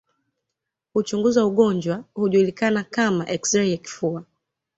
Huchunguza ugonjwa hujulikana kama eksirei ya kifua